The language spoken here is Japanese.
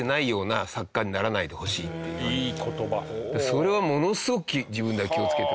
それはものすごく自分では気を付けてますね。